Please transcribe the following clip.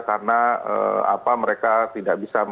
karena apa mereka tidak bisa